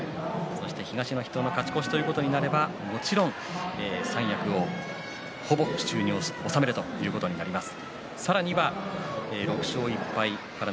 東の筆頭で勝ち越しということになれば、もちろん三役ほぼ手中に収めるということになります。